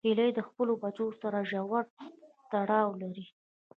هیلۍ د خپلو بچو سره ژور تړاو لري